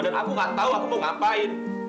nggak ada dewi